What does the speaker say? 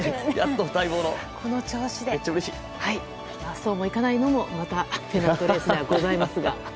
そうもいかないのもペナントレースではございますが。